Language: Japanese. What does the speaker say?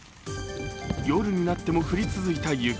夜になっても降り続いた雪